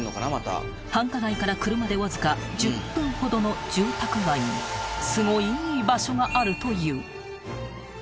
［繁華街から車でわずか１０分ほどの住宅街にスゴいい場所があるという］